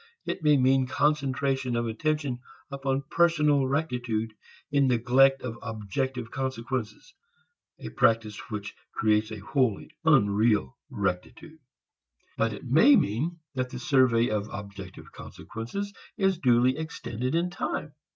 It may mean concentration of attention upon personal rectitude in neglect of objective consequences, a practice which creates a wholly unreal rectitude. But it may mean that the survey of objective consequences is duly extended in time.